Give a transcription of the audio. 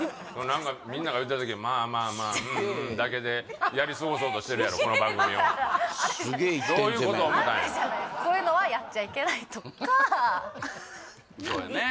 何かみんなが言うた時「まあまあまあうんうん」だけでやりすごそうとしてるやろこの番組をどういうこと思たんやこういうのはやっちゃいけないとかそうやね